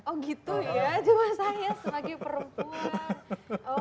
oh gitu ya cuma saya sebagai perempuan